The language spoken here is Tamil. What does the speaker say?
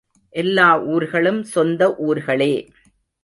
எல்லா ஊர்களும் சொந்த ஊர்களே!